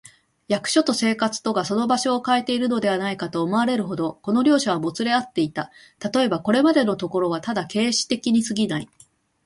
役所と生活とがその場所をかえているのではないか、と思われるほど、この両者はもつれ合っていた。たとえば、これまでのところはただ形式的にすぎない、